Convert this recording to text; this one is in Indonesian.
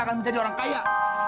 akan menjadi orang kaya